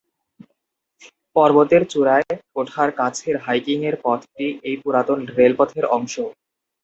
পর্বতের চূড়ায় ওঠার কাছের হাইকিং-এর পথটি এই পুরাতন রেলপথের অংশ।